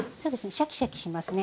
シャキシャキしますね。